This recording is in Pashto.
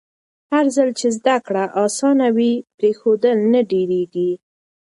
هرځل چې زده کړه اسانه وي، پرېښودل نه ډېرېږي.